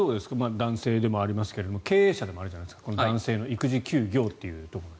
男性でもありますが経営者でもあるじゃないですか男性の育児休業というところで。